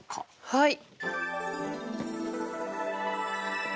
はい。